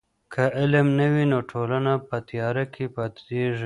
که علم نه وي نو ټولنه په تیاره کي پاتیږي.